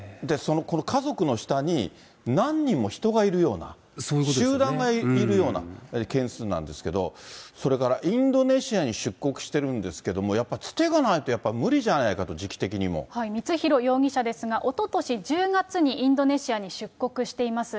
この家族の下に、何人も人がいるような、集団がいるような件数なんですけど、それからインドネシアに出国してるんですけども、やっぱりつてがないと、無理じゃないかと、光弘容疑者ですが、おととし１０月にインドネシアに出国しています。